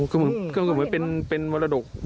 ก็เหมือนเป็นมรดก